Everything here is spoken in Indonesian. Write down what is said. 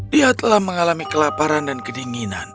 dia telah mengalami kelaparan dan kedinginan